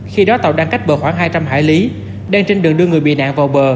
khi đó tàu đang cách bờ khoảng hai trăm linh hải lý đang trên đường đưa người bị nạn vào bờ